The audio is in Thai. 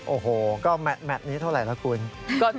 โอ้โหก็แมทนี้เท่าไหร่ละคุณ